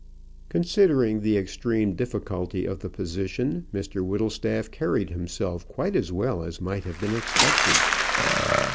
Considering the extreme difficulty of the position, Mr Whittlestaff carried himself quite as well as might have been expected.